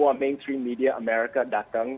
tapi semua media utama amerika datang